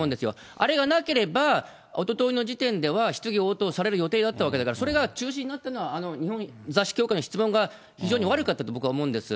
あれがなければ、おとといの時点では、質疑応答をされる予定だったから、それが中止になったのは、あの日本雑誌協会の質問が非常に悪かったと、僕は思うんです。